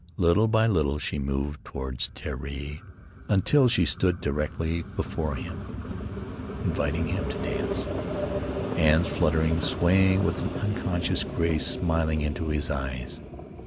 Little by little she moved toward Terii until she stood directly before him, inviting him to dance, hands fluttering, swaying with an unconscious grace, smiling into his eyes.